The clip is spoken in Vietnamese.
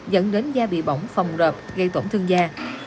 dẫn đến da bị bỏng phòng rợp gây tổn thương da